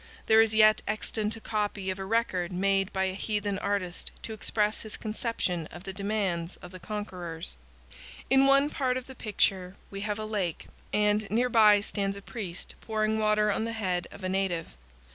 There is yet extant a copy of a record made by a heathen artist to express his conception of the demands of the conquerors. In one part of the picture we have a lake, and near by stands a priest pouring water on the head of a native.